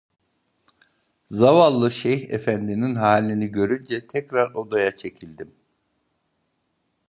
Zavallı şeyh efendinin halini görünce tekrar odaya çekildim.